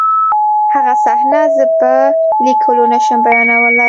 هغه صحنه زه په لیکلو نشم بیانولی